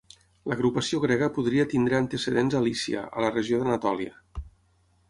L'agrupació grega podria tenir antecedents a Lícia, a la regió d'Anatòlia.